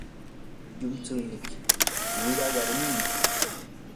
llumtsuynii wira warmim.